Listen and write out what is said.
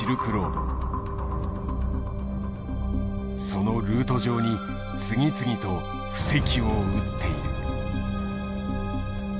そのルート上に次々と布石を打っている。